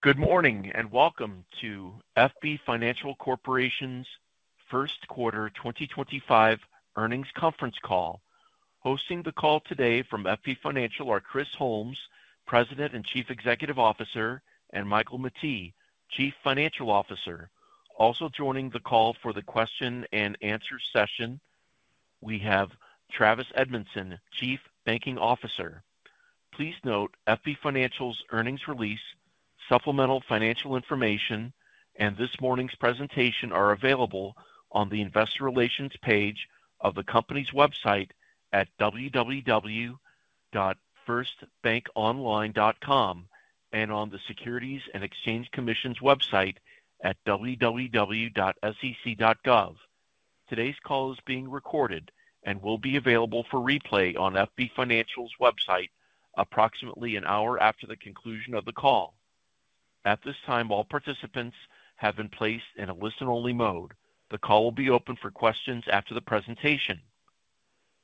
Good morning and welcome to FB Financial Corporation's First Quarter 2025 earnings conference call. Hosting the call today from FB Financial are Chris Holmes, President and Chief Executive Officer, and Michael Mettee, Chief Financial Officer. Also joining the call for the question and answer session, we have Travis Edmondson, Chief Banking Officer. Please note FB Financial's earnings release, supplemental financial information, and this morning's presentation are available on the Investor Relations page of the company's website at www.firstbankonline.com and on the Securities and Exchange Commission's website at www.sec.gov. Today's call is being recorded and will be available for replay on FB Financial's website approximately an hour after the conclusion of the call. At this time, all participants have been placed in a listen-only mode. The call will be open for questions after the presentation.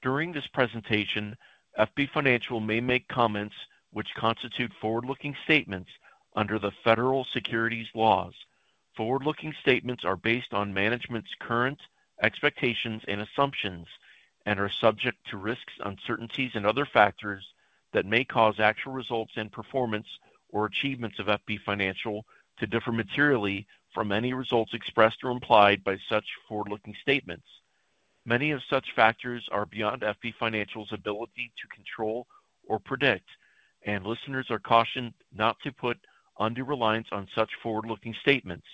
During this presentation, FB Financial may make comments which constitute forward-looking statements under the federal securities laws. Forward-looking statements are based on management's current expectations and assumptions and are subject to risks, uncertainties, and other factors that may cause actual results and performance or achievements of FB Financial to differ materially from any results expressed or implied by such forward-looking statements. Many of such factors are beyond FB Financial's ability to control or predict, and listeners are cautioned not to put undue reliance on such forward-looking statements.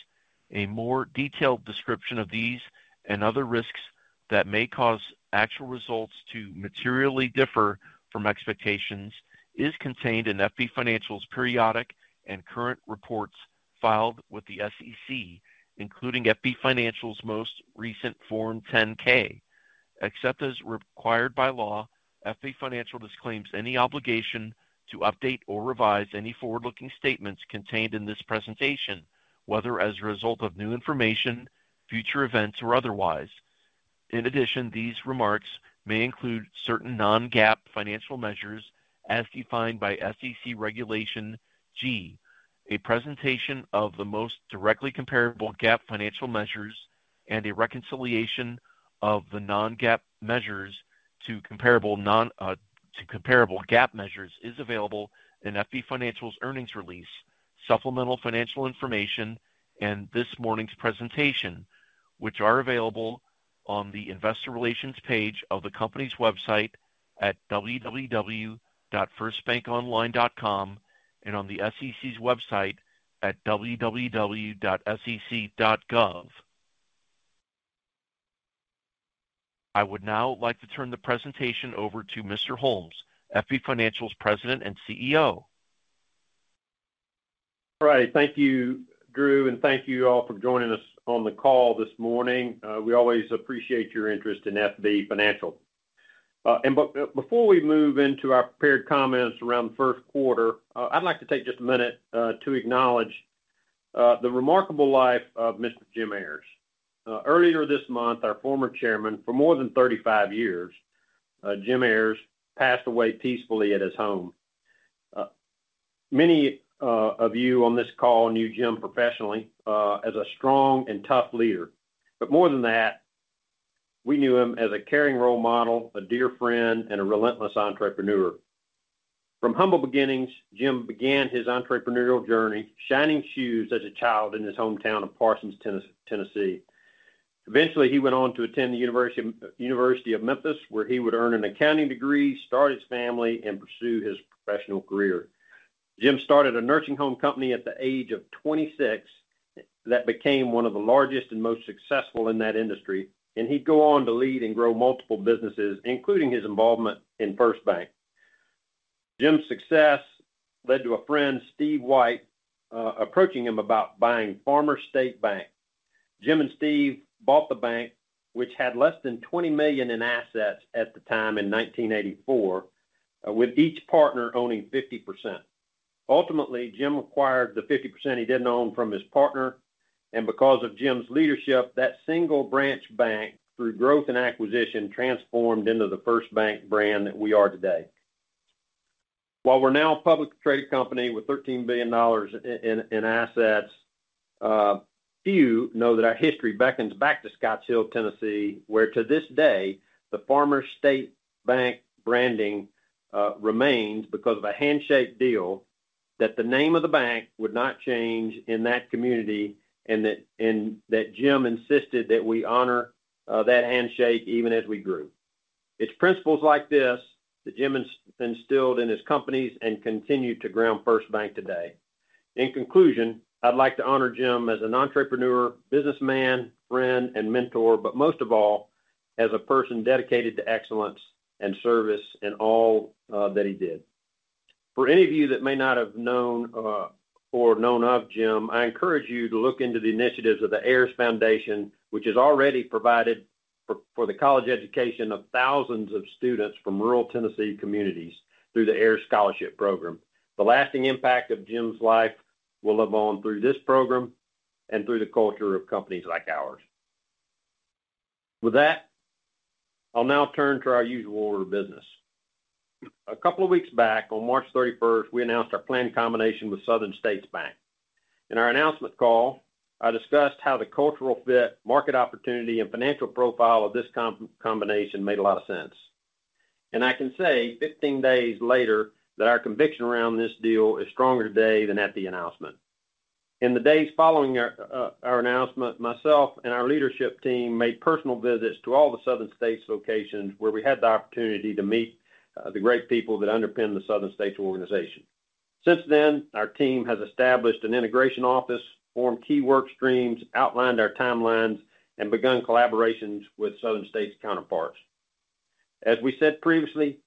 A more detailed description of these and other risks that may cause actual results to materially differ from expectations is contained in FB Financial's periodic and current reports filed with the SEC, including FB Financial's most recent Form 10-K. Except as required by law, FB Financial disclaims any obligation to update or revise any forward-looking statements contained in this presentation, whether as a result of new information, future events, or otherwise. In addition, these remarks may include certain non-GAAP financial measures as defined by SEC Regulation G, a presentation of the most directly comparable GAAP financial measures, and a reconciliation of the non-GAAP measures to comparable GAAP measures is available in FB Financial's earnings release, supplemental financial information, and this morning's presentation, which are available on the Investor Relations page of the company's website at www.firstbankonline.com and on the SEC's website at www.sec.gov. I would now like to turn the presentation over to Mr. Holmes, FB Financial's President and CEO. All right. Thank you, Drew, and thank you all for joining us on the call this morning. We always appreciate your interest in FB Financial. Before we move into our prepared comments around the first quarter, I'd like to take just a minute to acknowledge the remarkable life of Mr. Jim Ayers. Earlier this month, our former Chairman, for more than 35 years, Jim Ayers, passed away peacefully at his home. Many of you on this call knew Jim professionally as a strong and tough leader. More than that, we knew him as a caring role model, a dear friend, and a relentless entrepreneur. From humble beginnings, Jim began his entrepreneurial journey, shining shoes as a child in his hometown of Parsons, Tennessee. Eventually, he went on to attend the University of Memphis, where he would earn an accounting degree, start his family, and pursue his professional career. Jim started a nursing home company at the age of 26 that became one of the largest and most successful in that industry, and he'd go on to lead and grow multiple businesses, including his involvement in FirstBank. Jim's success led to a friend, Steve White, approaching him about buying Farmers State Bank. Jim and Steve bought the bank, which had less than $20 million in assets at the time in 1984, with each partner owning 50%. Ultimately, Jim acquired the 50% he didn't own from his partner, and because of Jim's leadership, that single branch bank, through growth and acquisition, transformed into the FirstBank brand that we are today. While we're now a publicly traded company with $13 billion in assets, few know that our history beckons back to Scotts Hill, Tennessee, where to this day, the Farmers State Bank branding remains because of a handshake deal that the name of the bank would not change in that community and that Jim insisted that we honor that handshake even as we grew. It's principles like this that Jim instilled in his companies and continue to ground FirstBank today. In conclusion, I'd like to honor Jim as an entrepreneur, businessman, friend, and mentor, but most of all, as a person dedicated to excellence and service in all that he did. For any of you that may not have known or known of Jim, I encourage you to look into the initiatives of the Ayers Foundation, which has already provided for the college education of thousands of students from rural Tennessee communities through the Ayers Scholarship Program. The lasting impact of Jim's life will live on through this program and through the culture of companies like ours. With that, I'll now turn to our usual order of business. A couple of weeks back, on March 31, we announced our planned combination with Southern States Bank. In our announcement call, I discussed how the cultural fit, market opportunity, and financial profile of this combination made a lot of sense. I can say, 15 days later, that our conviction around this deal is stronger today than at the announcement. In the days following our announcement, myself and our leadership team made personal visits to all the Southern States locations where we had the opportunity to meet the great people that underpin the Southern States organization. Since then, our team has established an integration office, formed key work streams, outlined our timelines, and begun collaborations with Southern States counterparts. As we said previously,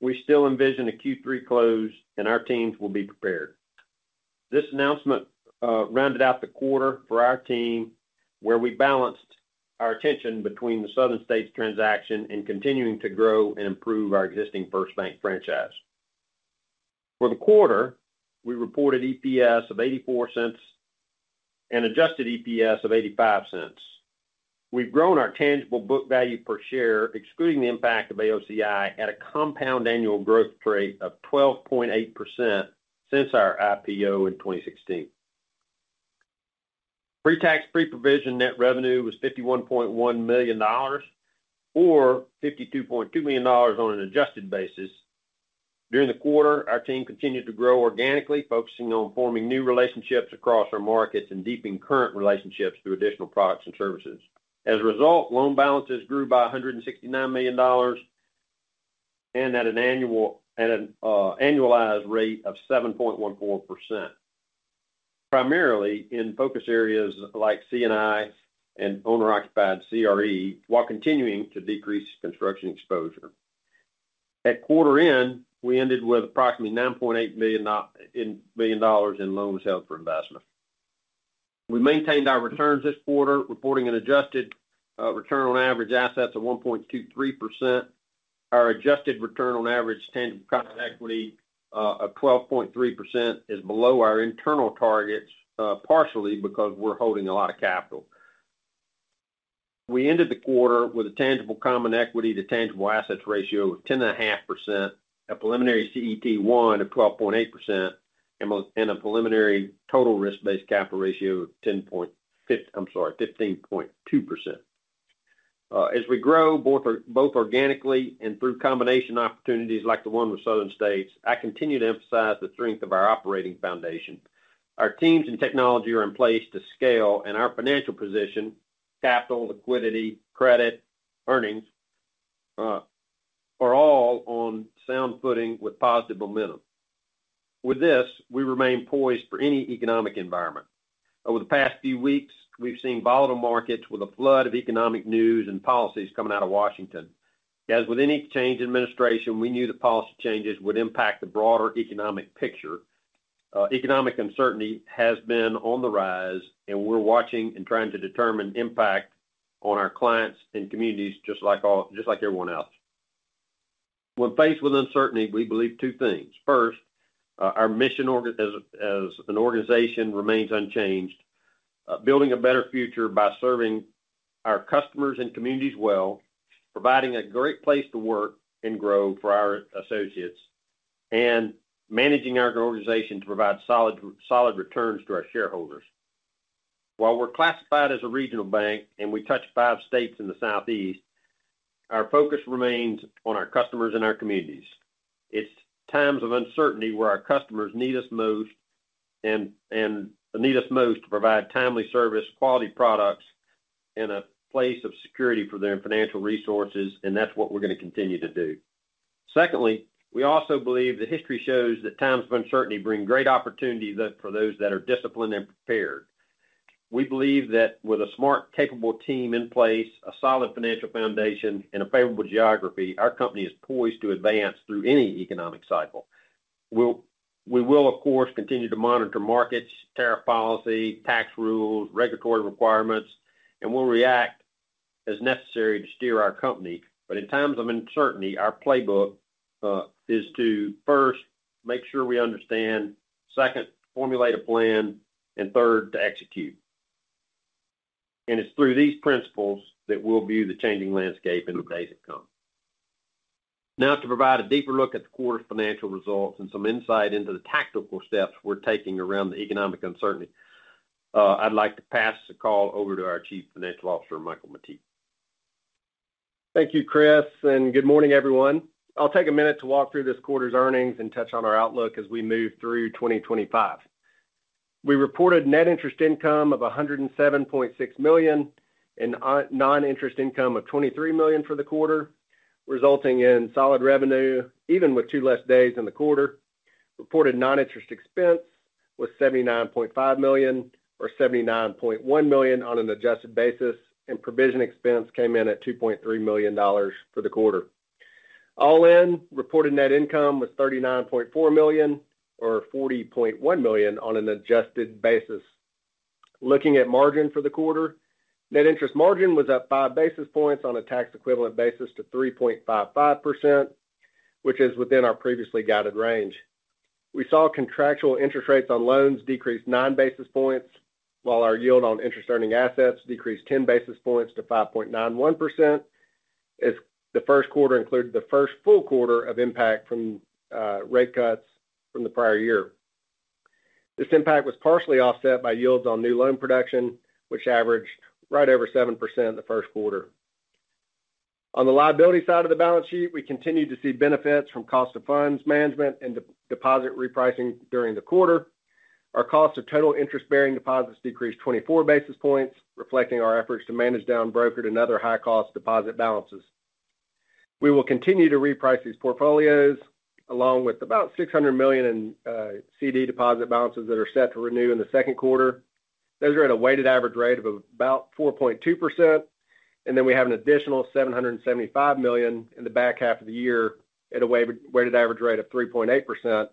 we still envision a Q3 close, and our teams will be prepared. This announcement rounded out the quarter for our team, where we balanced our attention between the Southern States transaction and continuing to grow and improve our existing FirstBank franchise. For the quarter, we reported EPS of $0.84 and adjusted EPS of $0.85. We've grown our tangible book value per share, excluding the impact of AOCI, at a compound annual growth rate of 12.8% since our IPO in 2016. Pre-tax pre-provision net revenue was $51.1 million, or $52.2 million on an adjusted basis. During the quarter, our team continued to grow organically, focusing on forming new relationships across our markets and deepening current relationships through additional products and services. As a result, loan balances grew by $169 million and at an annualized rate of 7.14%, primarily in focus areas like C&I and owner-occupied CRE, while continuing to decrease construction exposure. At quarter end, we ended with approximately $9.8 billion in loans held for investment. We maintained our returns this quarter, reporting an adjusted return on average assets of 1.23%. Our adjusted return on average tangible common equity of 12.3% is below our internal targets, partially because we're holding a lot of capital. We ended the quarter with a tangible common equity to tangible assets ratio of 10.5%, a preliminary CET1 of 12.8%, and a preliminary total risk-based capital ratio of 10.5%—I'm sorry, 15.2%. As we grow both organically and through combination opportunities like the one with Southern States, I continue to emphasize the strength of our operating foundation. Our teams and technology are in place to scale, and our financial position—capital, liquidity, credit, earnings—are all on sound footing with positive momentum. With this, we remain poised for any economic environment. Over the past few weeks, we've seen volatile markets with a flood of economic news and policies coming out of Washington. As with any change in administration, we knew that policy changes would impact the broader economic picture. Economic uncertainty has been on the rise, and we're watching and trying to determine impact on our clients and communities just like everyone else. When faced with uncertainty, we believe two things. First, our mission as an organization remains unchanged, building a better future by serving our customers and communities well, providing a great place to work and grow for our associates, and managing our organization to provide solid returns to our shareholders. While we're classified as a regional bank and we touch five states in the Southeast, our focus remains on our customers and our communities. It's times of uncertainty where our customers need us most and need us most to provide timely service, quality products, and a place of security for their financial resources, and that's what we're going to continue to do. Secondly, we also believe that history shows that times of uncertainty bring great opportunity for those that are disciplined and prepared. We believe that with a smart, capable team in place, a solid financial foundation, and a favorable geography, our company is poised to advance through any economic cycle. We will, of course, continue to monitor markets, tariff policy, tax rules, regulatory requirements, and we'll react as necessary to steer our company. In times of uncertainty, our playbook is to, first, make sure we understand, second, formulate a plan, and third, to execute. It is through these principles that we'll view the changing landscape in the days to come. Now, to provide a deeper look at the quarter's financial results and some insight into the tactical steps we're taking around the economic uncertainty, I'd like to pass the call over to our Chief Financial Officer, Michael Mettee. Thank you, Chris, and good morning, everyone. I'll take a minute to walk through this quarter's earnings and touch on our outlook as we move through 2025. We reported net interest income of $107.6 million and non-interest income of $23 million for the quarter, resulting in solid revenue even with two less days in the quarter. Reported non-interest expense was $79.5 million, or $79.1 million on an adjusted basis, and provision expense came in at $2.3 million for the quarter. All in, reported net income was $39.4 million, or $40.1 million on an adjusted basis. Looking at margin for the quarter, net interest margin was up five basis points on a tax-equivalent basis to 3.55%, which is within our previously guided range. We saw contractual interest rates on loans decrease nine basis points, while our yield on interest-earning assets decreased 10 basis points to 5.91% as the first quarter included the first full quarter of impact from rate cuts from the prior year. This impact was partially offset by yields on new loan production, which averaged right over 7% the first quarter. On the liability side of the balance sheet, we continued to see benefits from cost of funds management and deposit repricing during the quarter. Our cost of total interest-bearing deposits decreased 24 basis points, reflecting our efforts to manage down brokered and other high-cost deposit balances. We will continue to reprice these portfolios, along with about $600 million in CD deposit balances that are set to renew in the second quarter. Those are at a weighted average rate of about 4.2%. We have an additional $775 million in the back half of the year at a weighted average rate of 3.8%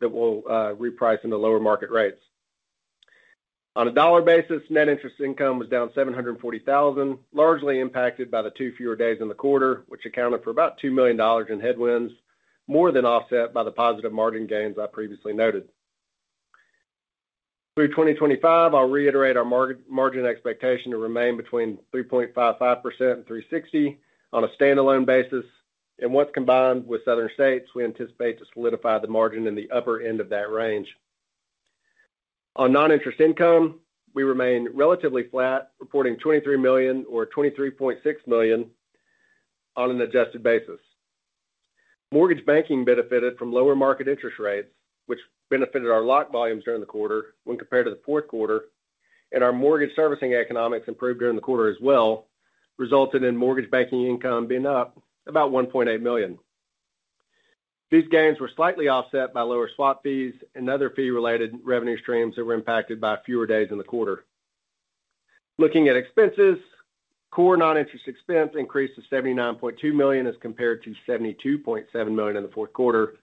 that will reprice into lower market rates. On a dollar basis, net interest income was down $740,000, largely impacted by the two fewer days in the quarter, which accounted for about $2 million in headwinds, more than offset by the positive margin gains I previously noted. Through 2025, I will reiterate our margin expectation to remain between 3.55% and 3.60% on a standalone basis. Once combined with Southern States, we anticipate solidifying the margin in the upper end of that range. On non-interest income, we remain relatively flat, reporting $23 million, or $23.6 million on an adjusted basis. Mortgage banking benefited from lower market interest rates, which benefited our locked volumes during the quarter when compared to the fourth quarter. Our mortgage servicing economics improved during the quarter as well, resulting in mortgage banking income being up about $1.8 million. These gains were slightly offset by lower swap fees and other fee-related revenue streams that were impacted by fewer days in the quarter. Looking at expenses, core non-interest expense increased to $79.2 million as compared to $72.7 million in the fourth quarter,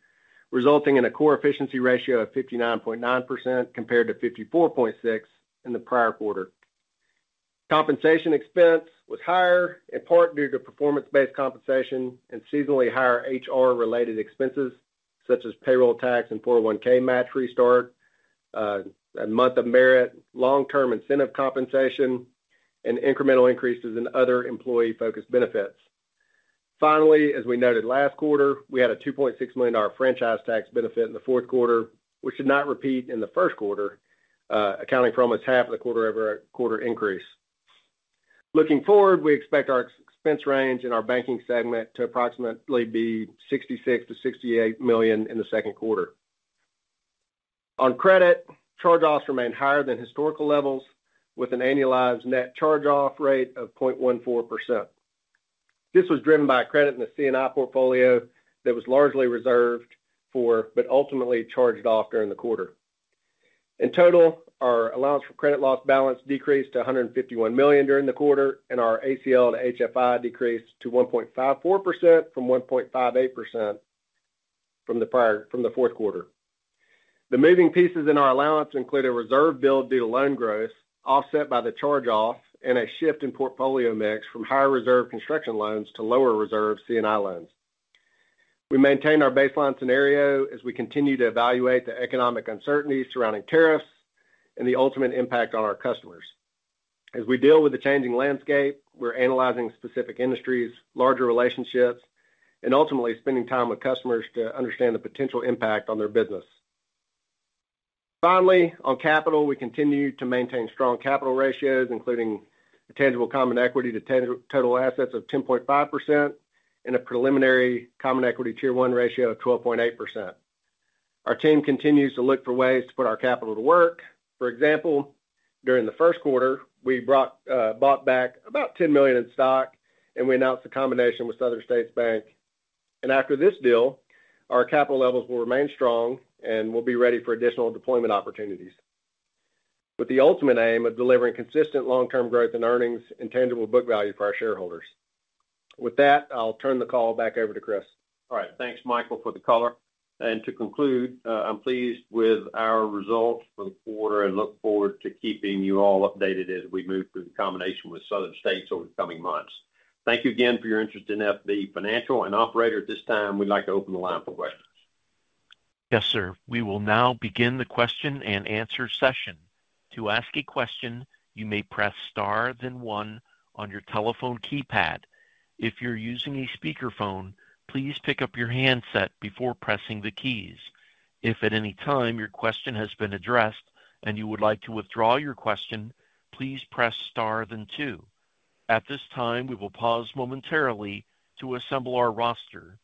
resulting in a core efficiency ratio of 59.9% compared to 54.6% in the prior quarter. Compensation expense was higher, in part due to performance-based compensation and seasonally higher HR-related expenses, such as payroll tax and 401(k) match restart, a month of merit, long-term incentive compensation, and incremental increases in other employee-focused benefits. Finally, as we noted last quarter, we had a $2.6 million franchise tax benefit in the fourth quarter, which did not repeat in the first quarter, accounting for almost half of the quarter-over-quarter increase. Looking forward, we expect our expense range in our banking segment to approximately be $66 million-$68 million in the second quarter. On credit, charge-offs remain higher than historical levels, with an annualized net charge-off rate of 0.14%. This was driven by a credit in the C&I portfolio that was largely reserved for but ultimately charged off during the quarter. In total, our allowance for credit loss balance decreased to $151 million during the quarter, and our ACL to HFI decreased to 1.54% from 1.58% from the fourth quarter. The moving pieces in our allowance include a reserve build due to loan growth, offset by the charge-off, and a shift in portfolio mix from higher reserve construction loans to lower reserve C&I loans. We maintain our baseline scenario as we continue to evaluate the economic uncertainties surrounding tariffs and the ultimate impact on our customers. As we deal with the changing landscape, we're analyzing specific industries, larger relationships, and ultimately spending time with customers to understand the potential impact on their business. Finally, on capital, we continue to maintain strong capital ratios, including a tangible common equity to total assets of 10.5% and a preliminary Common Equity Tier 1 ratio of 12.8%. Our team continues to look for ways to put our capital to work. For example, during the first quarter, we bought back about $10 million in stock, and we announced the combination with Southern States Bank. After this deal, our capital levels will remain strong and we'll be ready for additional deployment opportunities, with the ultimate aim of delivering consistent long-term growth in earnings and tangible book value for our shareholders. With that, I'll turn the call back over to Chris. All right. Thanks, Michael, for the caller. To conclude, I'm pleased with our results for the quarter and look forward to keeping you all updated as we move through the combination with Southern States over the coming months. Thank you again for your interest in FB Financial. Operator, at this time, we'd like to open the line for questions. Yes, sir. We will now begin the question and answer session. To ask a question, you may press star then one on your telephone keypad. If you're using a speakerphone, please pick up your handset before pressing the keys. If at any time your question has been addressed and you would like to withdraw your question, please press star then two. At this time, we will pause momentarily to assemble our roster.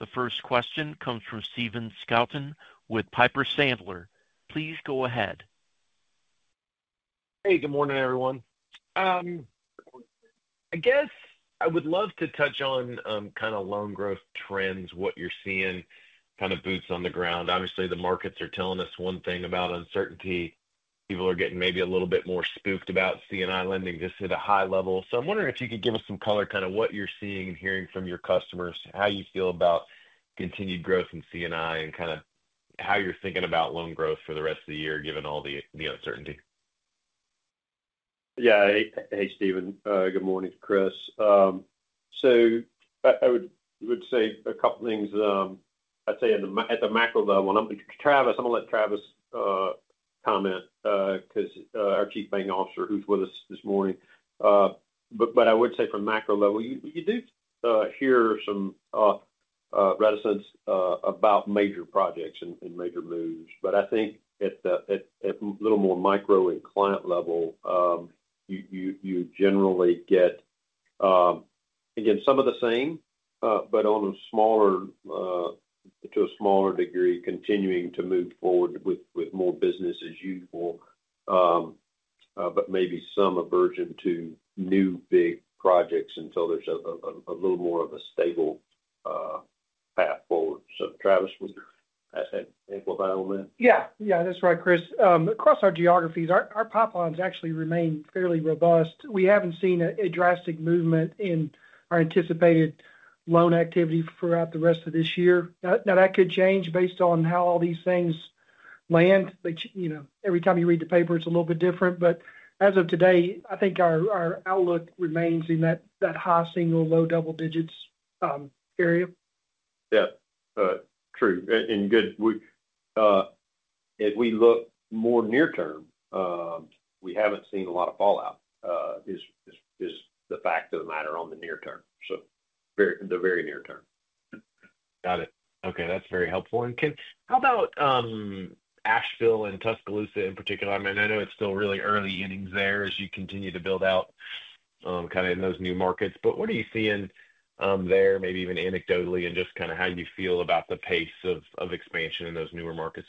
The first question comes from Stephen Scouten with Piper Sandler. Please go ahead. Hey, good morning, everyone. I guess I would love to touch on kind of loan growth trends, what you're seeing, kind of boots on the ground. Obviously, the markets are telling us one thing about uncertainty. People are getting maybe a little bit more spooked about C&I lending just at a high level. I am wondering if you could give us some color kind of what you're seeing and hearing from your customers, how you feel about continued growth in C&I, and kind of how you're thinking about loan growth for the rest of the year, given all the uncertainty. Yeah. Hey, Stephen. Good morning, Chris. I would say a couple of things. I'd say at the macro level, and I'm going to let Travis comment because our Chief Banking Officer who's with us this morning. I would say from macro level, you do hear some reticence about major projects and major moves. I think at a little more micro and client level, you generally get, again, some of the same, but to a smaller degree, continuing to move forward with more business as usual, but maybe some aversion to new big projects until there's a little more of a stable path forward. Travis, would you add anything to that on that? Yeah. Yeah, that's right, Chris. Across our geographies, our pipelines actually remain fairly robust. We haven't seen a drastic movement in our anticipated loan activity throughout the rest of this year. Now, that could change based on how all these things land. Every time you read the paper, it's a little bit different. As of today, I think our outlook remains in that high single, low double digits area. Yeah. True. And good. If we look more near term, we haven't seen a lot of fallout is the fact of the matter on the near term, so the very near term. Got it. Okay. That's very helpful. How about Asheville and Tuscaloosa in particular? I mean, I know it's still really early innings there as you continue to build out kind of in those new markets. What are you seeing there, maybe even anecdotally, and just kind of how you feel about the pace of expansion in those newer markets?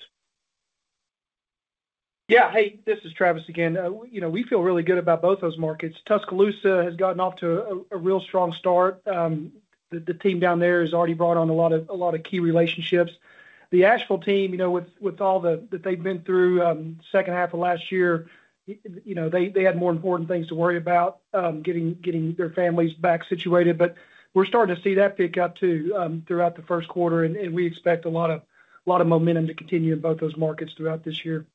Yeah. Hey, this is Travis again. We feel really good about both those markets. Tuscaloosa has gotten off to a real strong start. The team down there has already brought on a lot of key relationships. The Asheville team, with all that they've been through second half of last year, they had more important things to worry about, getting their families back situated. We are starting to see that pick up too throughout the first quarter. We expect a lot of momentum to continue in both those markets throughout this year.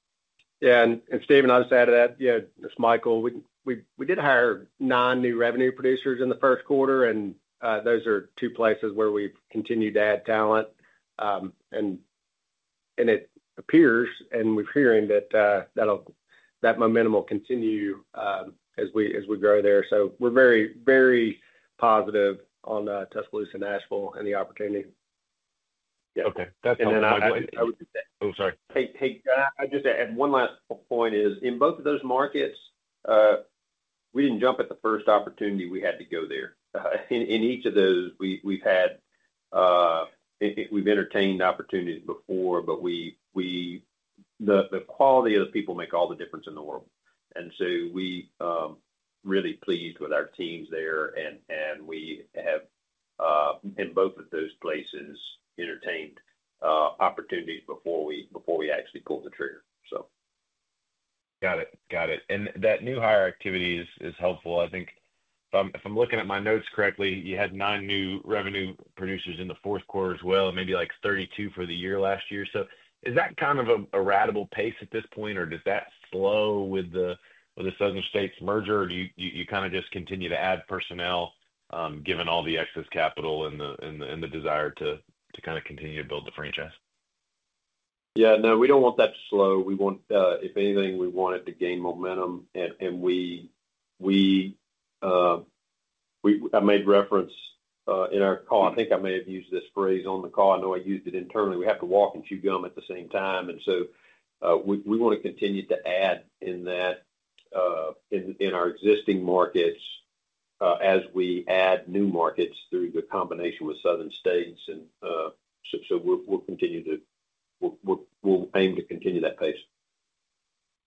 Yeah. Stephen, I'll just add to that. Yeah, that's Michael. We did hire nine new revenue producers in the first quarter. Those are two places where we've continued to add talent. It appears, and we're hearing that that momentum will continue as we grow there. We are very, very positive on Tuscaloosa and Asheville and the opportunity. Yeah. Okay. That's all I'd like. I would just say. Oh, sorry. Hey, I'd just add one last point. In both of those markets, we didn't jump at the first opportunity. We had to go there. In each of those, we've entertained opportunities before, but the quality of the people makes all the difference in the world. We are really pleased with our teams there. We have, in both of those places, entertained opportunities before we actually pulled the trigger. Got it. Got it. That new hire activity is helpful. I think if I'm looking at my notes correctly, you had nine new revenue producers in the fourth quarter as well, maybe like 32 for the year last year. Is that kind of a ratable pace at this point, or does that slow with the Southern States merger, or do you kind of just continue to add personnel given all the excess capital and the desire to kind of continue to build the franchise? Yeah. No, we do not want that to slow. If anything, we want it to gain momentum. I made reference in our call. I think I may have used this phrase on the call. I know I used it internally. We have to walk and chew gum at the same time. We want to continue to add in our existing markets as we add new markets through the combination with Southern States. We will aim to continue that pace.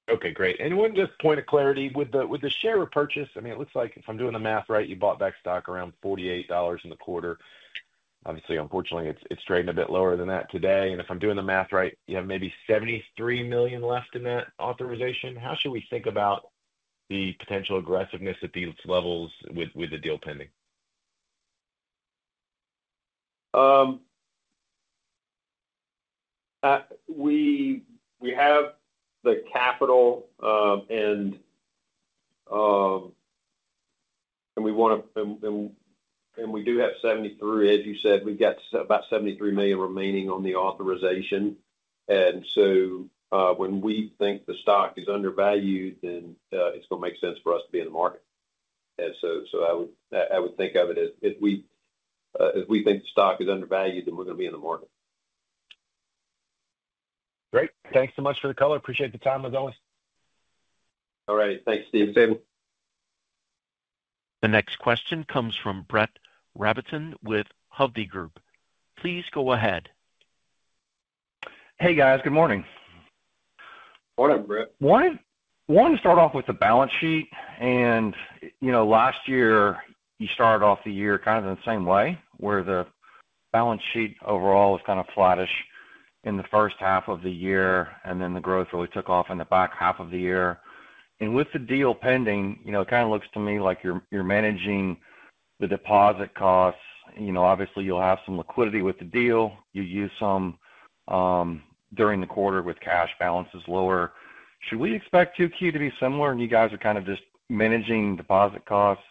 Okay. Great. And one just point of clarity. With the share of purchase, I mean, it looks like if I'm doing the math right, you bought back stock around $48 in the quarter. Obviously, unfortunately, it's trading a bit lower than that today. And if I'm doing the math right, you have maybe $73 million left in that authorization. How should we think about the potential aggressiveness at these levels with the deal pending? We have the capital, and we want to and we do have $73 million. As you said, we've got about $73 million remaining on the authorization. When we think the stock is undervalued, then it's going to make sense for us to be in the market. I would think of it as if we think the stock is undervalued, then we're going to be in the market. Great. Thanks so much for the call. Appreciate the time, as always. All righty. Thanks, Steven. The next question comes from Brett Rabatin with Hovde Group. Please go ahead. Hey, guys. Good morning. Morning, Brett. Morning. I want to start off with the balance sheet. Last year, you started off the year kind of in the same way, where the balance sheet overall was kind of flattish in the first half of the year, and then the growth really took off in the back half of the year. With the deal pending, it kind of looks to me like you're managing the deposit costs. Obviously, you'll have some liquidity with the deal. You used some during the quarter with cash balances lower. Should we expect Q2 to be similar, and you guys are kind of just managing deposit costs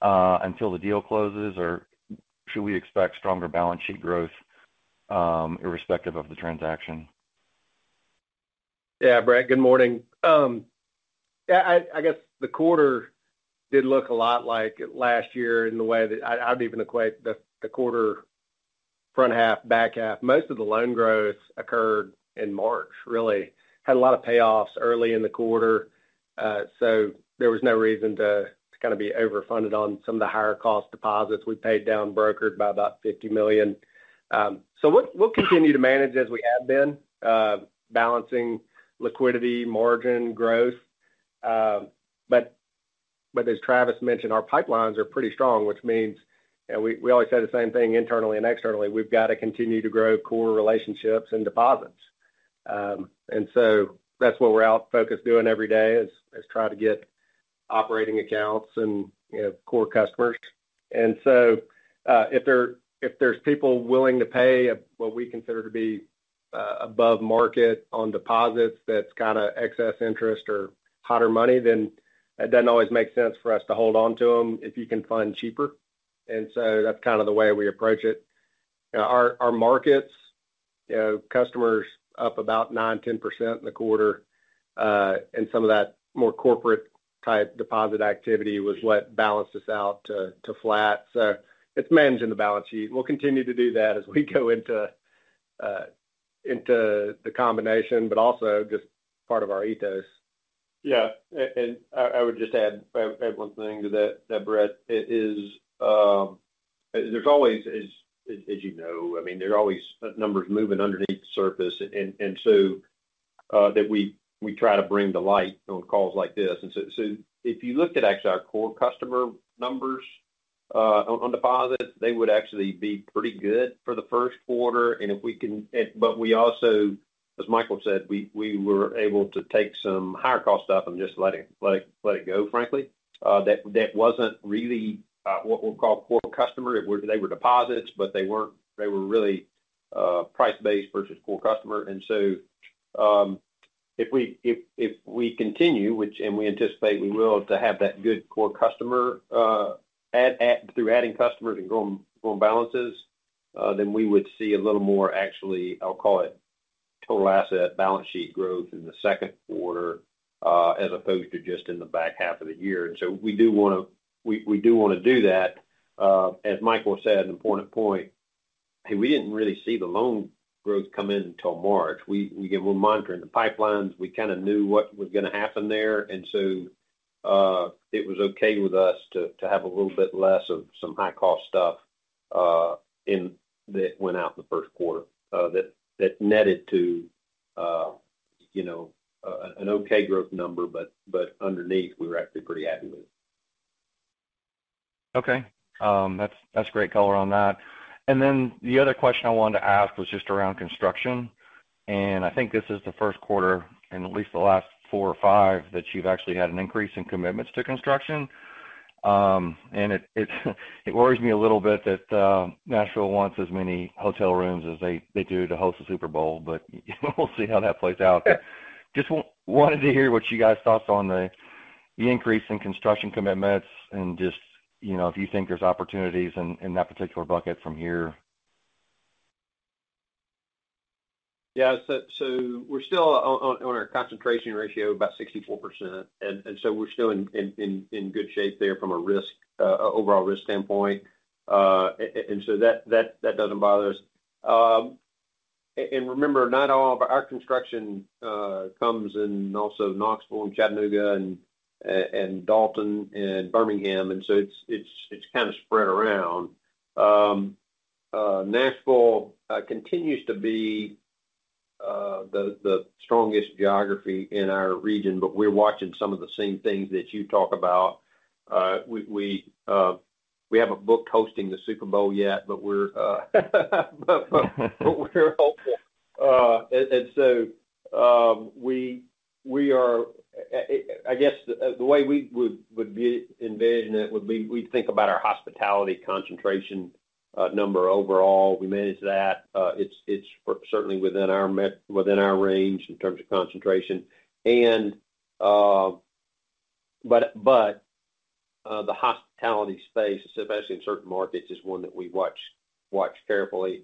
until the deal closes, or should we expect stronger balance sheet growth irrespective of the transaction? Yeah, Brett. Good morning. I guess the quarter did look a lot like last year in the way that I do not even equate the quarter front half, back half. Most of the loan growth occurred in March, really. Had a lot of payoffs early in the quarter. There was no reason to kind of be overfunded on some of the higher-cost deposits. We paid down brokered by about $50 million. We will continue to manage as we have been, balancing liquidity, margin, growth. As Travis mentioned, our pipelines are pretty strong, which means we always say the same thing internally and externally. We have got to continue to grow core relationships and deposits. That is what we are out focused doing every day is trying to get operating accounts and core customers. If there are people willing to pay what we consider to be above market on deposits, that is kind of excess interest or hotter money, then it does not always make sense for us to hold on to them if you can fund cheaper. That is the way we approach it. Our markets, customers up about 9%-10% in the quarter. Some of that more corporate-type deposit activity was what balanced us out to flat. It is managing the balance sheet. We will continue to do that as we go into the combination, but also just part of our ethos. Yeah. I would just add one thing to that, Brett. There is always, as you know, I mean, there are always numbers moving underneath the surface. We try to bring that to light on calls like this. If you looked at actually our core customer numbers on deposits, they would actually be pretty good for the first quarter. If we can, but we also, as Michael said, we were able to take some higher-cost stuff and just let it go, frankly. That was not really what we will call core customer. They were deposits, but they were not really price-based versus core customer. If we continue, which we anticipate we will, to have that good core customer through adding customers and growing balances, then we would see a little more, actually, I'll call it total asset balance sheet growth in the second quarter as opposed to just in the back half of the year. We do want to do that. As Michael said, an important point, hey, we did not really see the loan growth come in until March. We are monitoring the pipelines. We kind of knew what was going to happen there. It was okay with us to have a little bit less of some high-cost stuff that went out in the first quarter that netted to an okay growth number. Underneath, we were actually pretty happy with it. Okay. That's great color on that. The other question I wanted to ask was just around construction. I think this is the first quarter in at least the last four or five that you've actually had an increase in commitments to construction. It worries me a little bit that Nashville wants as many hotel rooms as they do to host the Super Bowl, but we'll see how that plays out. Just wanted to hear what you guys thought on the increase in construction commitments and just if you think there's opportunities in that particular bucket from here. Yeah. We're still on our concentration ratio of about 64%. We're still in good shape there from an overall risk standpoint. That does not bother us. Remember, not all of our construction comes in also Knoxville and Chattanooga and Dalton and Birmingham. It's kind of spread around. Nashville continues to be the strongest geography in our region, but we're watching some of the same things that you talk about. We have not booked hosting the Super Bowl yet, but we're hopeful. We are, I guess, the way we would be envisioning it would be we think about our hospitality concentration number overall. We manage that. It's certainly within our range in terms of concentration. The hospitality space, especially in certain markets, is one that we watch carefully,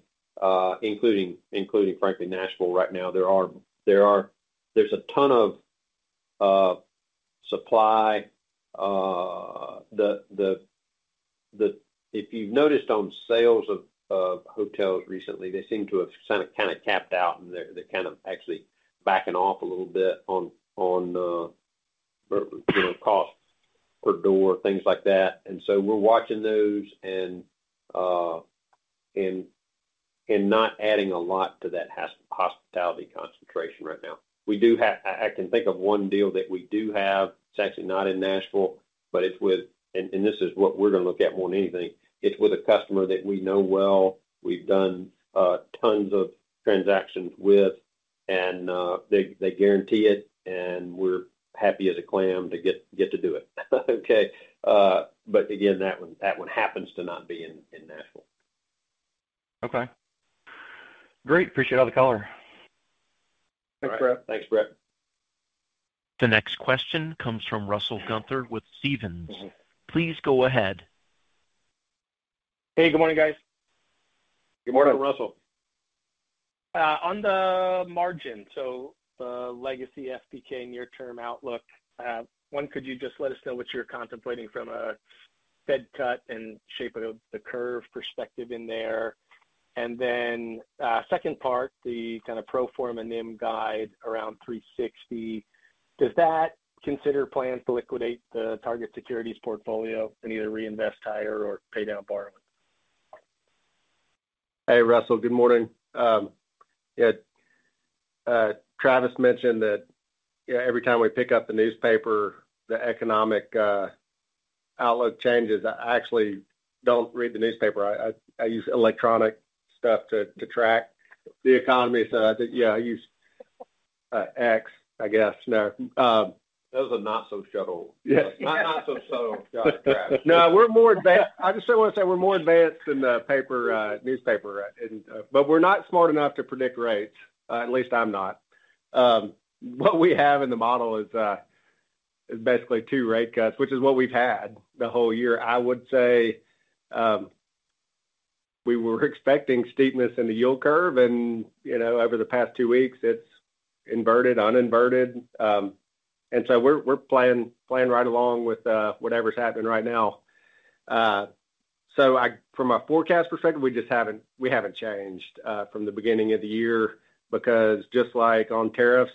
including, frankly, Nashville right now. There's a ton of supply. If you've noticed on sales of hotels recently, they seem to have kind of capped out, and they're kind of actually backing off a little bit on cost per door, things like that. We're watching those and not adding a lot to that hospitality concentration right now. I can think of one deal that we do have. It's actually not in Nashville, but it's with, and this is what we're going to look at more than anything. It's with a customer that we know well. We've done tons of transactions with, and they guarantee it, and we're happy as a clam to get to do it. Okay. That one happens to not be in Nashville. Okay. Great. Appreciate all the color. Thanks, Brett. Thanks, Brett. The next question comes from Russell Gunther with Stephens. Please go ahead. Hey, good morning, guys. Good morning. Russell. On the margin, so the legacy FPK near-term outlook, one, could you just let us know what you're contemplating from a Fed cut and shape of the curve perspective in there? The second part, the kind of Pro Forma NIM guide around 360. Does that consider plans to liquidate the target securities portfolio and either reinvest higher or pay down borrowing? Hey, Russell. Good morning. Yeah. Travis mentioned that every time we pick up the newspaper, the economic outlook changes. I actually do not read the newspaper. I use electronic stuff to track the economy. Yeah, I use X, I guess. Those are not so subtle. Not so subtle. No, we're more advanced. I just want to say we're more advanced than the paper newspaper. But we're not smart enough to predict rates. At least I'm not. What we have in the model is basically two rate cuts, which is what we've had the whole year. I would say we were expecting steepness in the yield curve, and over the past two weeks, it's inverted, uninverted. We're playing right along with whatever's happening right now. From a forecast perspective, we haven't changed from the beginning of the year because just like on tariffs,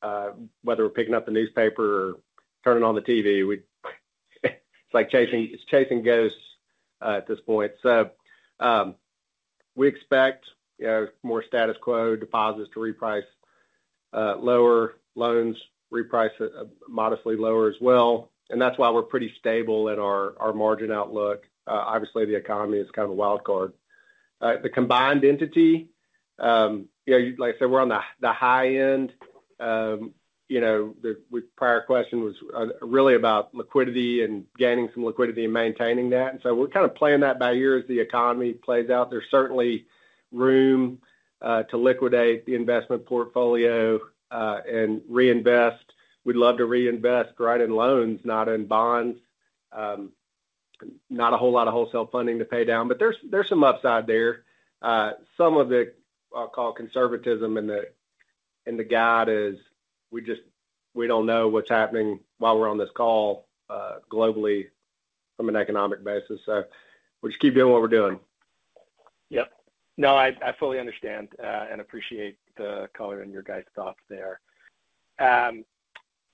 whether we're picking up the newspaper or turning on the TV, it's like chasing ghosts at this point. We expect more status quo deposits to reprice, lower loans reprice modestly lower as well. That's why we're pretty stable in our margin outlook. Obviously, the economy is kind of a wild card. The combined entity, like I said, we're on the high end. The prior question was really about liquidity and gaining some liquidity and maintaining that. We're kind of playing that by ear as the economy plays out. There's certainly room to liquidate the investment portfolio and reinvest. We'd love to reinvest right in loans, not in bonds. Not a whole lot of wholesale funding to pay down, but there's some upside there. Some of the, I'll call it conservatism in the guide is we don't know what's happening while we're on this call globally from an economic basis. We'll just keep doing what we're doing. Yep. No, I fully understand and appreciate the color in your guys' thoughts there.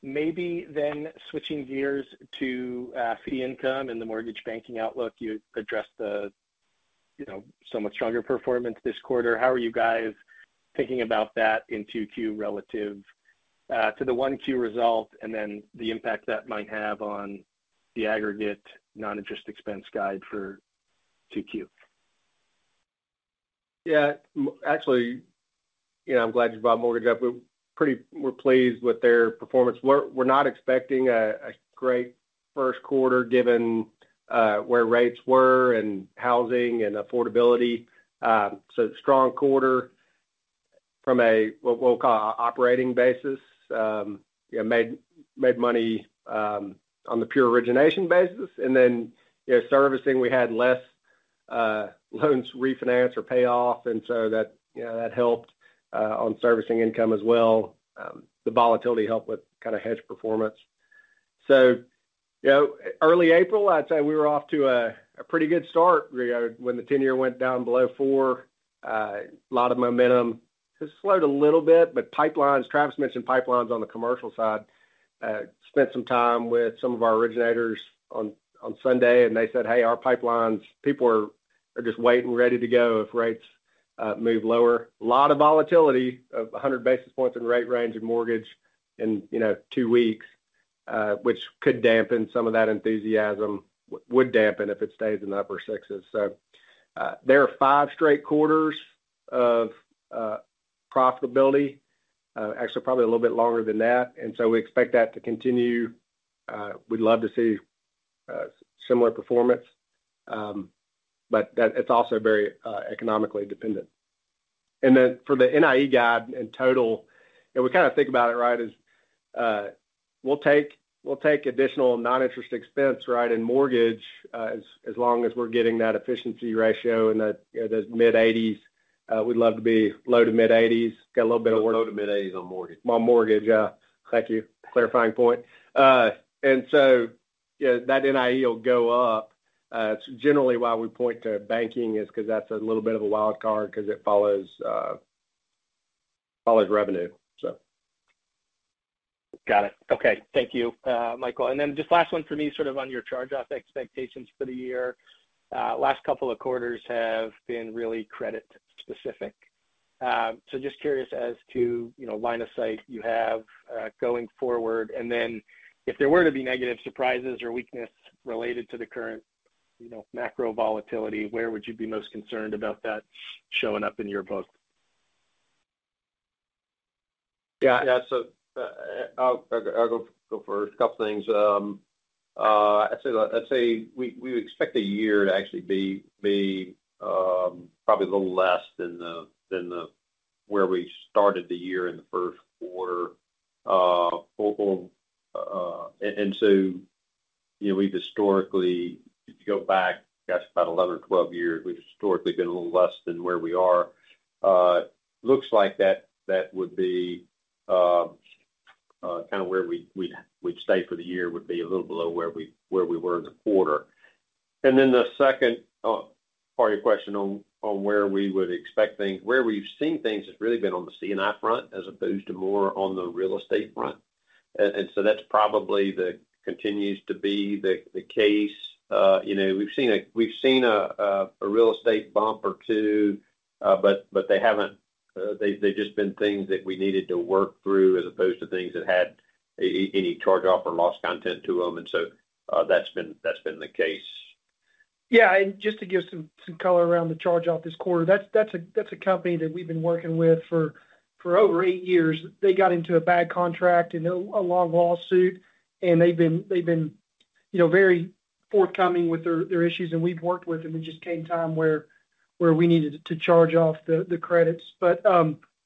Maybe then switching gears to fee income and the mortgage banking outlook, you addressed the somewhat stronger performance this quarter. How are you guys thinking about that in Q2 relative to the Q1 result and then the impact that might have on the aggregate non-interest expense guide for Q2? Yeah. Actually, I'm glad you brought mortgage up. We're pleased with their performance. We're not expecting a great first quarter given where rates were and housing and affordability. Strong quarter from a, what we'll call an operating basis, made money on the pure origination basis. Then servicing, we had less loans refinanced or pay off. That helped on servicing income as well. The volatility helped with kind of hedge performance. Early April, I'd say we were off to a pretty good start when the ten-year went down below four, a lot of momentum. It slowed a little bit, but pipelines, Travis mentioned pipelines on the commercial side. Spent some time with some of our originators on Sunday, and they said, "Hey, our pipelines, people are just waiting ready to go if rates move lower." A lot of volatility of 100 basis points in rate range and mortgage in two weeks, which could dampen some of that enthusiasm, would dampen if it stays in the upper sixes. There are five straight quarters of profitability, actually probably a little bit longer than that. We expect that to continue. We'd love to see similar performance, but it's also very economically dependent. For the NIE guide in total, we kind of think about it, right, as we'll take additional non-interest expense, right, in mortgage as long as we're getting that efficiency ratio in the mid-80s. We'd love to be low to mid-80s. Got a little bit of work. Low to mid-80s on mortgage. On mortgage. Thank you. Clarifying point. That NIE will go up. It's generally why we point to banking is because that's a little bit of a wild card because it follows revenue. Got it. Okay. Thank you, Michael. Just last one for me, sort of on your charge-off expectations for the year. Last couple of quarters have been really credit-specific. Just curious as to line of sight you have going forward. If there were to be negative surprises or weakness related to the current macro volatility, where would you be most concerned about that showing up in your book? Yeah. I'll go for a couple of things. I'd say we expect the year to actually be probably a little less than where we started the year in the first quarter. We've historically, if you go back, gosh, about 11 or 12 years, we've historically been a little less than where we are. Looks like that would be kind of where we'd stay for the year, would be a little below where we were in the quarter. The second part of your question on where we would expect things, where we've seen things has really been on the C&I front as opposed to more on the real estate front. That's probably continues to be the case. We've seen a real estate bump or two, but they've just been things that we needed to work through as opposed to things that had any charge-off or lost content to them. That's been the case. Yeah. Just to give some color around the charge-off this quarter, that's a company that we've been working with for over eight years. They got into a bad contract and a long lawsuit, and they've been very forthcoming with their issues. We've worked with them. It just came time where we needed to charge off the credits.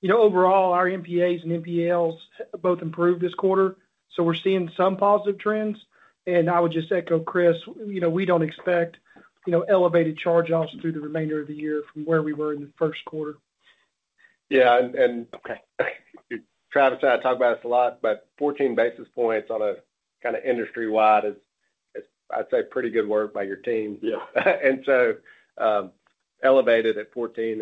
Overall, our NPAs and NPLs both improved this quarter. We're seeing some positive trends. I would just echo Chris, we don't expect elevated charge-offs through the remainder of the year from where we were in the first quarter. Yeah. Travis and I talk about this a lot, but 14 basis points on a kind of industry-wide is, I'd say, pretty good work by your team. Elevated at 14.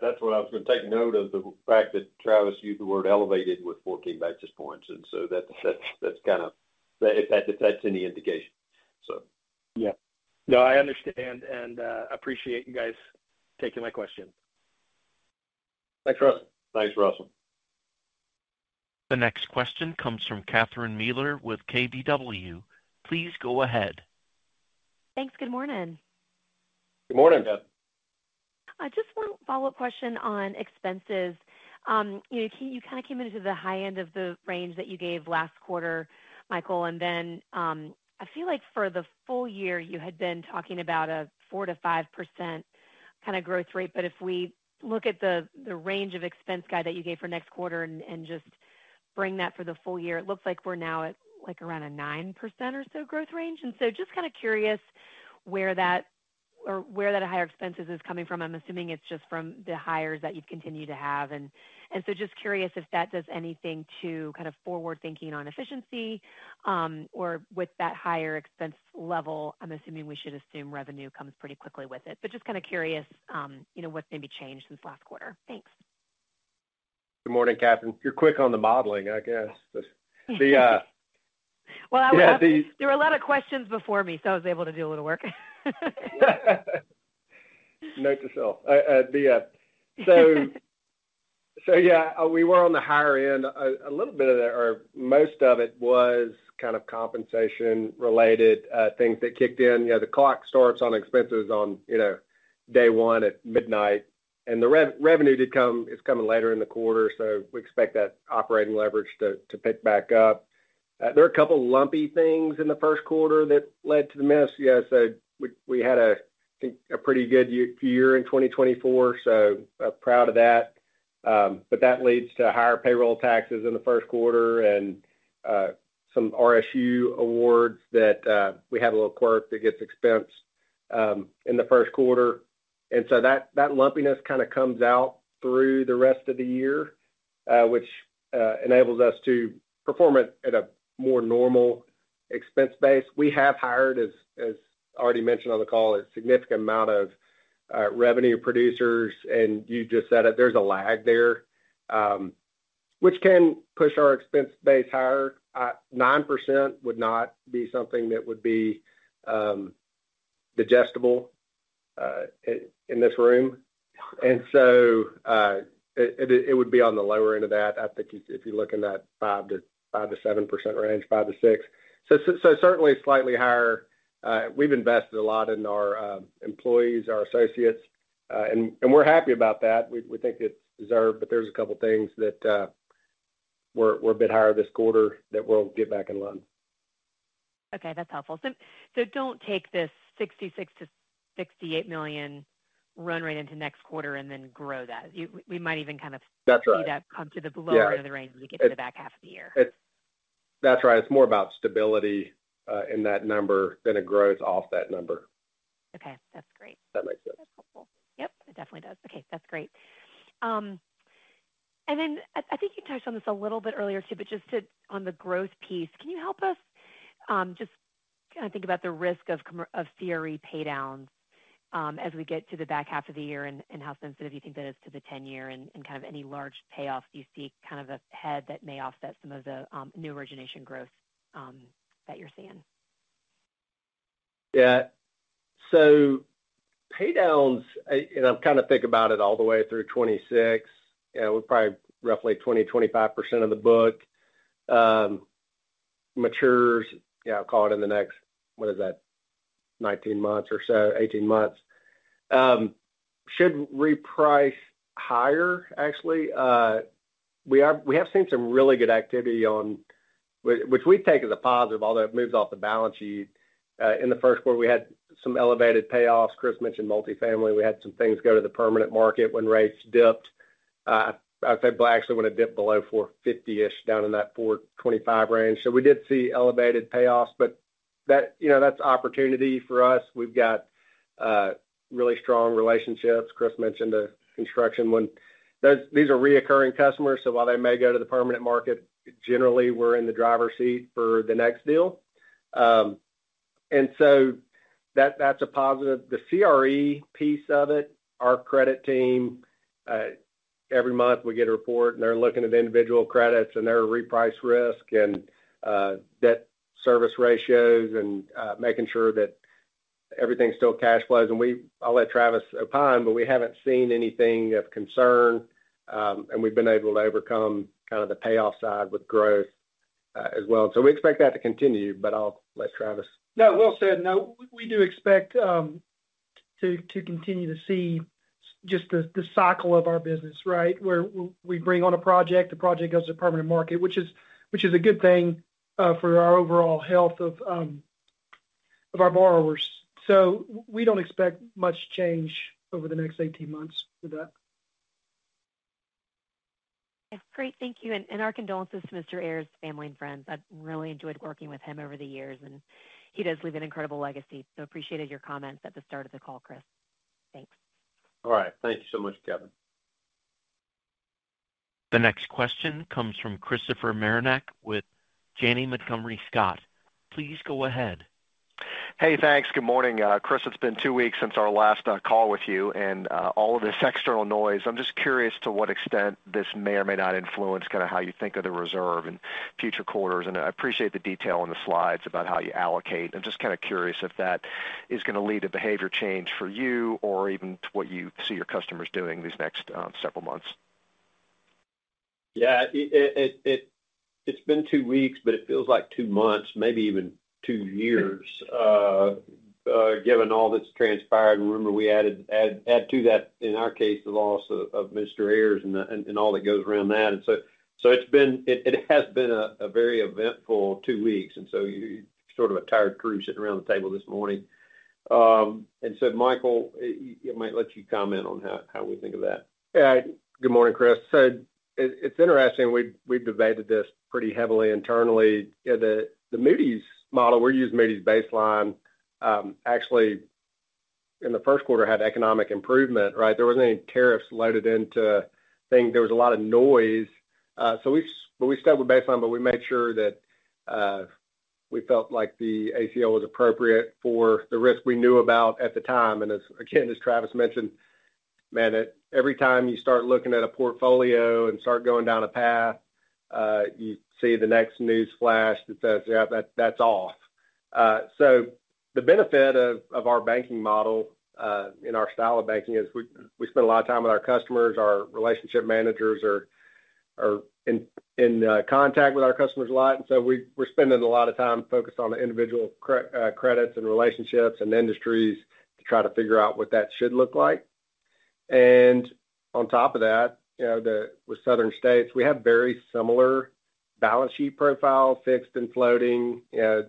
That's what I was going to take note of, the fact that Travis used the word elevated with 14 basis points. That's kind of if that's any indication. Yeah. No, I understand. I appreciate you guys taking my question. Thanks, Russell. The next question comes from Catherine Mealor with KBW. Please go ahead. Thanks. Good morning. Good morning. Yeah. I just want a follow-up question on expenses. You kind of came into the high end of the range that you gave last quarter, Michael. I feel like for the full year, you had been talking about a 4%-5% kind of growth rate. If we look at the range of expense guide that you gave for next quarter and just bring that for the full year, it looks like we're now at around a 9% or so growth range. I am just kind of curious where that higher expenses is coming from. I'm assuming it's just from the hires that you've continued to have. I am just curious if that does anything to kind of forward-thinking on efficiency. With that higher expense level, I'm assuming we should assume revenue comes pretty quickly with it. Just kind of curious what's maybe changed since last quarter. Thanks. Good morning, Catherine. You're quick on the modeling, I guess. There were a lot of questions before me, so I was able to do a little work. Note to self. Yeah, we were on the higher end. A little bit of that, or most of it, was kind of compensation-related things that kicked in. The clock starts on expenses on day one at midnight. The revenue is coming later in the quarter, so we expect that operating leverage to pick back up. There are a couple of lumpy things in the first quarter that led to the miss. Yeah. We had a pretty good year in 2024, so proud of that. That leads to higher payroll taxes in the first quarter and some RSU awards that we have a little quirk that gets expensed in the first quarter. That lumpiness kind of comes out through the rest of the year, which enables us to perform at a more normal expense base. We have hired, as already mentioned on the call, a significant amount of revenue producers. You just said it. There is a lag there, which can push our expense base higher. 9% would not be something that would be digestible in this room. It would be on the lower end of that, I think, if you are looking at 5%-7% range, 5%-6%. Certainly slightly higher. We have invested a lot in our employees, our associates, and we are happy about that. We think it is deserved, but there are a couple of things that were a bit higher this quarter that we will get back in line. Okay. That's helpful. Do not take this $66 million-$68 million run right into next quarter and then grow that. We might even kind of see that come to the lower end of the range when you get to the back half of the year. That's right. It's more about stability in that number than a growth off that number. Okay. That's great. That makes sense. That's helpful. Yep. It definitely does. Okay. That's great. I think you touched on this a little bit earlier too, but just on the growth piece, can you help us just kind of think about the risk of CRE paydowns as we get to the back half of the year and how sensitive you think that is to the ten-year and kind of any large payoffs you see kind of ahead that may offset some of the new origination growth that you're seeing? Yeah. So paydowns, and I'm kind of thinking about it all the way through 2026, we're probably roughly 20%-25% of the book matures. Yeah, I'll call it in the next, what is that, 19 months or so, 18 months. Should reprice higher, actually. We have seen some really good activity on, which we take as a positive, although it moves off the balance sheet. In the first quarter, we had some elevated payoffs. Chris mentioned multifamily. We had some things go to the permanent market when rates dipped. I'd say actually when it dipped below 4.50-ish, down in that 4.25 range. So we did see elevated payoffs, but that's opportunity for us. We've got really strong relationships. Chris mentioned the construction one. These are reoccurring customers. So while they may go to the permanent market, generally, we're in the driver's seat for the next deal. That is a positive. The CRE piece of it, our credit team, every month we get a report, and they are looking at individual credits and their reprice risk and debt service ratios and making sure that everything still cash flows. I will let Travis opine, but we have not seen anything of concern, and we have been able to overcome kind of the payoff side with growth as well. We expect that to continue, but I will let Travis. No, well said. No, we do expect to continue to see just the cycle of our business, right? Where we bring on a project, the project goes to the permanent market, which is a good thing for our overall health of our borrowers. We do not expect much change over the next 18 months with that. Okay. Great. Thank you. Our condolences to Mr. Ayers, family and friends. I've really enjoyed working with him over the years, and he does leave an incredible legacy. Appreciated your comments at the start of the call, Chris. Thanks. All right. Thank you so much, Catherine. The next question comes from Christopher Marinac with Janney Montgomery Scott. Please go ahead. Hey, thanks. Good morning. Chris, it's been two weeks since our last call with you, and all of this external noise. I'm just curious to what extent this may or may not influence kind of how you think of the reserve and future quarters. I appreciate the detail in the slides about how you allocate. I'm just kind of curious if that is going to lead to behavior change for you or even what you see your customers doing these next several months. Yeah. It's been two weeks, but it feels like two months, maybe even two years, given all that's transpired. Remember, we add to that, in our case, the loss of Mr. Ayers and all that goes around that. It has been a very eventful two weeks. You're sort of a tired crew sitting around the table this morning. Michael, I might let you comment on how we think of that. Yeah. Good morning, Chris. It's interesting. We've debated this pretty heavily internally. The Moody's model, we're using Moody's Baseline, actually, in the first quarter had economic improvement, right? There wasn't any tariffs loaded into things. There was a lot of noise. We stuck with Baseline, but we made sure that we felt like the ACL was appropriate for the risk we knew about at the time. Again, as Travis mentioned, man, every time you start looking at a portfolio and start going down a path, you see the next news flash that says, "Yeah, that's off." The benefit of our banking model in our style of banking is we spend a lot of time with our customers. Our relationship managers are in contact with our customers a lot. We are spending a lot of time focused on the individual credits and relationships and industries to try to figure out what that should look like. On top of that, with Southern States, we have a very similar balance sheet profile, fixed and floating. The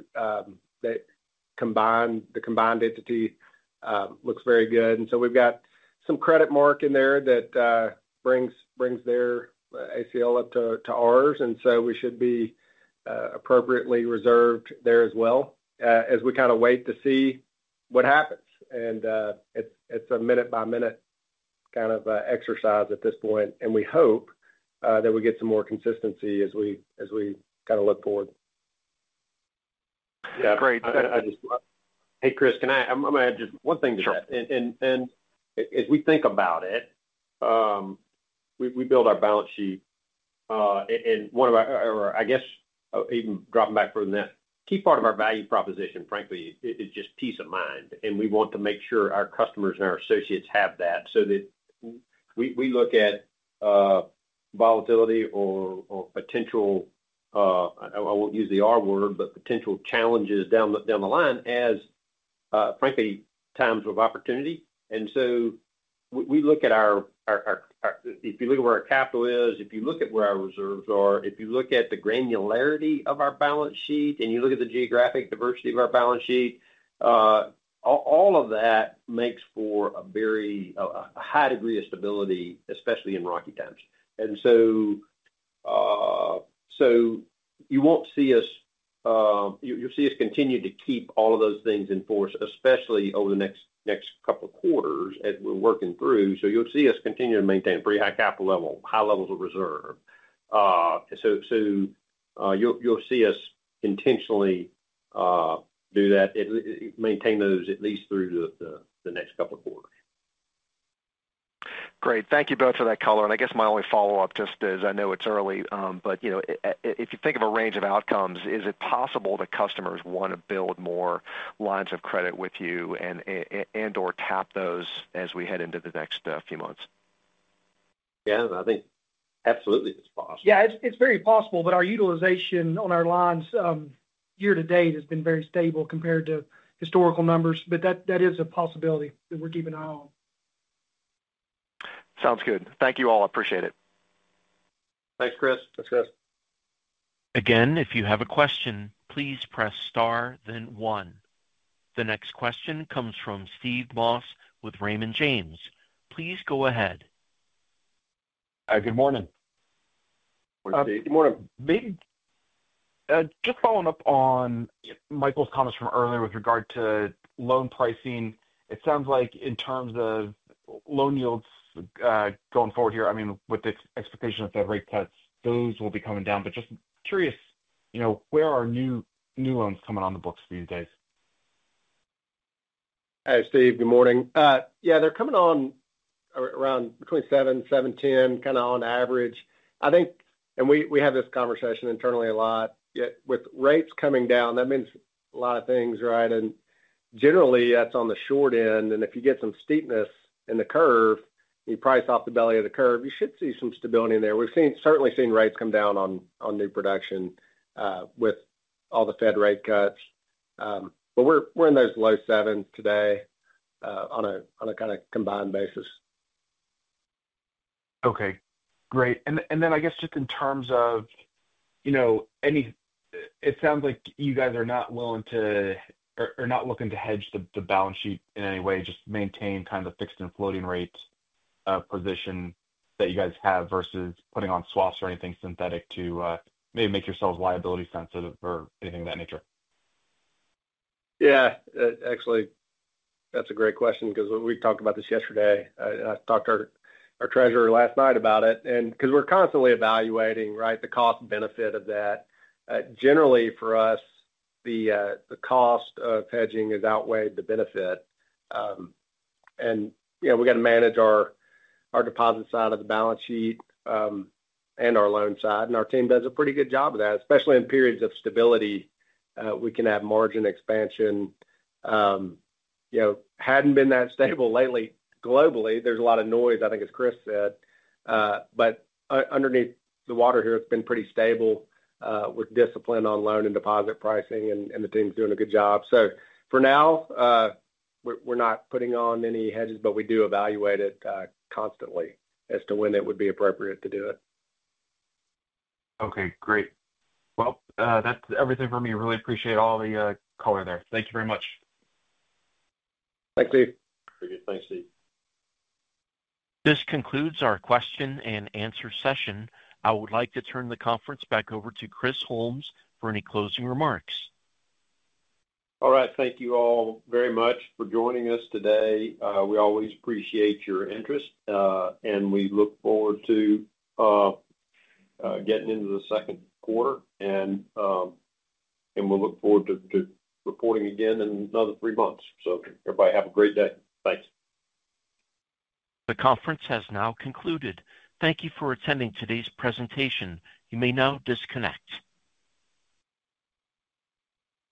combined entity looks very good. We have some credit mark in there that brings their ACL up to ours. We should be appropriately reserved there as well as we kind of wait to see what happens. It is a minute-by-minute kind of exercise at this point. We hope that we get some more consistency as we kind of look forward. Yeah. Hey, Chris, can I—I'm going to add just one thing to that. As we think about it, we build our balance sheet. One of our—or I guess even dropping back further than that, a key part of our value proposition, frankly, is just peace of mind. We want to make sure our customers and our associates have that so that we look at volatility or potential—I won't use the R word, but potential challenges down the line as, frankly, times of opportunity. We look at our—if you look at where our capital is, if you look at where our reserves are, if you look at the granularity of our balance sheet, and you look at the geographic diversity of our balance sheet, all of that makes for a very high degree of stability, especially in rocky times. You will see us continue to keep all of those things in force, especially over the next couple of quarters as we are working through. You will see us continue to maintain a pretty high capital level, high levels of reserve. You will see us intentionally do that, maintain those at least through the next couple of quarters. Great. Thank you both for that, color. I guess my only follow-up just is I know it's early, but if you think of a range of outcomes, is it possible that customers want to build more lines of credit with you and/or tap those as we head into the next few months? Yeah. I think absolutely it's possible. Yeah. It's very possible, but our utilization on our lines year to date has been very stable compared to historical numbers. That is a possibility that we're keeping an eye on. Sounds good. Thank you all. I appreciate it. Thanks, Chris. Thanks, Chris. Again, if you have a question, please press star, then one. The next question comes from Steve Moss with Raymond James. Please go ahead. Good morning. Good morning. Just following up on Michael's comments from earlier with regard to loan pricing, it sounds like in terms of loan yields going forward here, I mean, with the expectation of Fed rate cuts, those will be coming down. Just curious, where are new loans coming on the books these days? Hey, Steve. Good morning. Yeah. They're coming on around between 7%-7.10%, kind of on average. I think—we have this conversation internally a lot—with rates coming down, that means a lot of things, right? Generally, that's on the short end. If you get some steepness in the curve, you price off the belly of the curve, you should see some stability in there. We've certainly seen rates come down on new production with all the Fed rate cuts. We're in those low sevens today on a kind of combined basis. Okay. Great. I guess just in terms of any—it sounds like you guys are not willing to or not looking to hedge the balance sheet in any way, just maintain kind of the fixed and floating rate position that you guys have versus putting on swaps or anything synthetic to maybe make yourselves liability sensitive or anything of that nature. Yeah. Actually, that's a great question because we talked about this yesterday. I talked to our treasurer last night about it. Because we're constantly evaluating, right, the cost-benefit of that, generally for us, the cost of hedging has outweighed the benefit. We got to manage our deposit side of the balance sheet and our loan side. Our team does a pretty good job of that, especially in periods of stability. We can have margin expansion. Hadn't been that stable lately globally. There's a lot of noise, I think, as Chris said. Underneath the water here, it's been pretty stable with discipline on loan and deposit pricing, and the team's doing a good job. For now, we're not putting on any hedges, but we do evaluate it constantly as to when it would be appropriate to do it. Okay. Great. That's everything from me. Really appreciate all the color there. Thank you very much. Thanks, Steve. Very good. Thanks, Steve. This concludes our question and answer session. I would like to turn the conference back over to Chris Holmes for any closing remarks. All right. Thank you all very much for joining us today. We always appreciate your interest, and we look forward to getting into the second quarter. We look forward to reporting again in another three months. Everybody have a great day. Thanks. The conference has now concluded. Thank you for attending today's presentation. You may now disconnect.